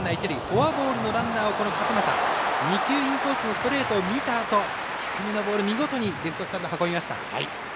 フォアボールのランナーを勝股２球インコースのストレートを見たあと低めのボール見事にレフトスタンドに運びました。